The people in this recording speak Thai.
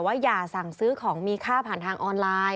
อย่าสั่งซื้อของมีค่าผ่านทางออนไลน์